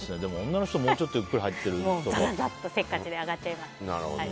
女の人、もうちょっとゆっくり入ってるイメージ。